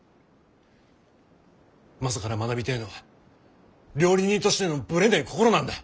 マサから学びてえのは料理人としてのぶれねえ心なんだ。